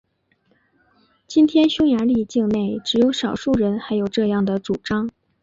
今天匈牙利境内只有少数人还有这样的主张。